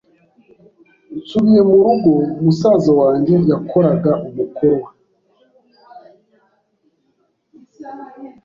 Nsubiye mu rugo, musaza wanjye yakoraga umukoro we.